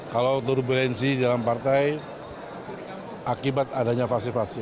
kalau turbulensi dalam partai akibat adanya faksi faksi